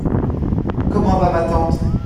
Comment va ma tante ?